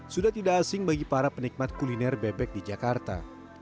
sudah tidak asing bagi para penikmat kuliner bebek di jakarta